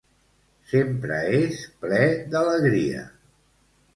Sempre és ple d'alegria.